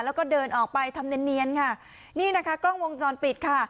แล้วก็เดินออกไปทำเนียนค่ะนี่นะคะกล้องวงจรปิดค่ะ